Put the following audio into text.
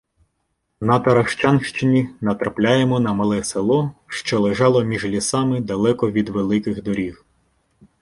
На Таращанщині натрапляємо на мале село, що лежало між лісами далеко від великих доріг.